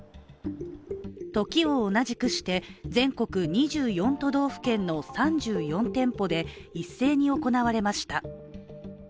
時を同じくして、全国２４都道府県の３４店舗で一斉に行われました。